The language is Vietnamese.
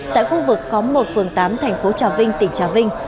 tại khu vực khóm một phường tám thành phố trà vinh tỉnh trà vinh